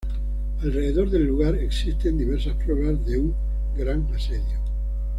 Alrededor del lugar existen diversas pruebas de un gran asedio.